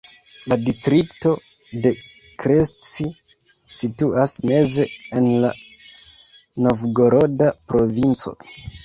La distrikto de Krestci situas meze en la Novgoroda provinco.